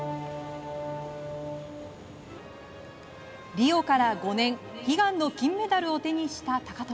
リオから５年悲願の金メダルを手にした高藤。